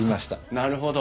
なるほど。